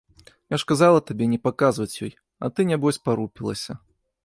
Я ж казала табе не паказваць ёй, а ты нябось парупілася.